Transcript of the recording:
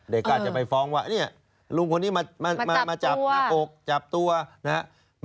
อาจจะไปฟ้องว่าเนี่ยลุงคนนี้มาจับหน้าอกจับตัวนะครับ